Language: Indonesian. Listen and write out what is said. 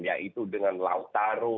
yaitu dengan lautaro